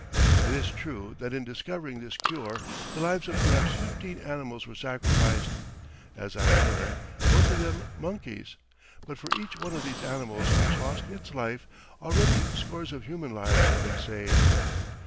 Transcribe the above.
It is true that in discovering this cure the lives of perhaps fifteen animals were sacrificed, as I learn, most of them monkeys; but for each one of these animals which lost its life, already scores of human lives have been saved.